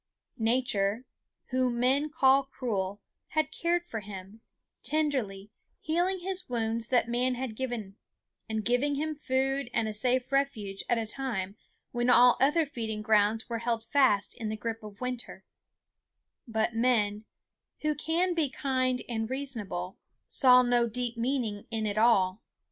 Nature, whom men call cruel, had cared for him tenderly, healing his wounds that man had given, and giving him food and a safe refuge at a time when all other feeding grounds were held fast in the grip of winter; but men, who can be kind and reasonable, saw no deep meaning in it all.